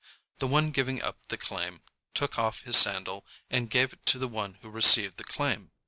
The one giving up the claim took off his sandal and gave it to the one who received the claim.